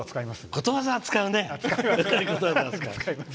ことわざ使うね。